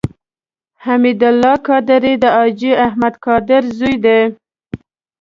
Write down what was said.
حمید الله قادري د حاجي احمد قادري زوی دی.